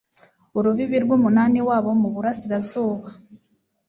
urubibi rw'umunani wabo mu burasirazuba